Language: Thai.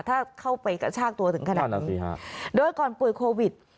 ถ้าเข้าไปกระชากตัวถึงขนาดนั้นสิฮะโดยก่อนป่วยโควิด